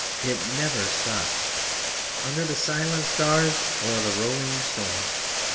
It never stops, under the silent stars or the rolling storms.